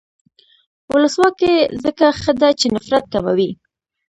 ولسواکي ځکه ښه ده چې نفرت کموي.